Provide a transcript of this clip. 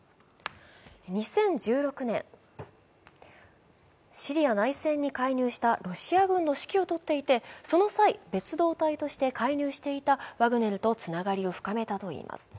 ２０１６年、シリア内戦に介入したロシア軍の指揮を執っていてその際、別動隊として介入していたワグネルとつながりを深めたといいます。